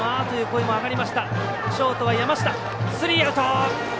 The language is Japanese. ショート山下とってスリーアウト。